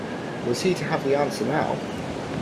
Was he to have the answer now?